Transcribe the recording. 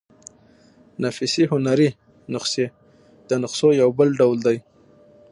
نفیسي هنري نسخې د نسخو يو بل ډول دﺉ.